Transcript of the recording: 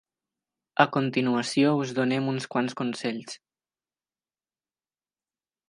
A continuació us donem uns quants consells!